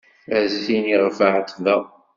A zzin iɣef εetbeɣ.